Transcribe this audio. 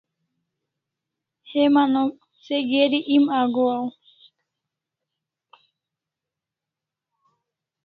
Heman o se geri em agohaw